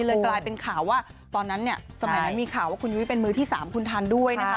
เลยกลายเป็นข่าวว่าตอนนั้นเนี่ยสมัยนั้นมีข่าวว่าคุณยุ้ยเป็นมือที่๓คุณทันด้วยนะคะ